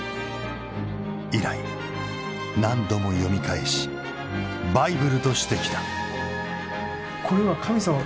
以来何度も読み返しバイブルとしてきた。